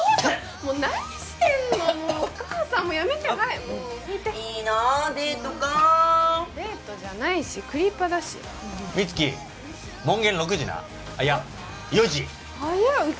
もう何してんのもうお母さんもやめてはいもう拭いていいなデートかデートじゃないしクリパだし美月門限６時ないや４時早いうち